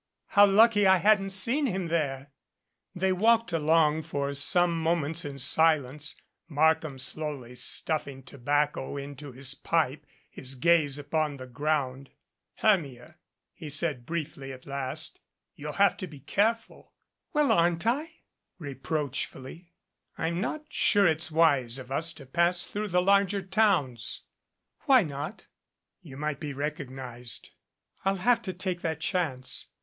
How lucky I hadn't seen him there !" They walked along for some moments in silence, Markham slowly stuffing tobacco into his pipe, his gaze upon the ground. "Hermia," ke said briefly at last, "you'll have to be careful." "Well aren't I?" reproachfully. "I'm not sure it's wise of us to pass through the larger towns." "Why not?" "You might be recognized." "I'll have to take that chance.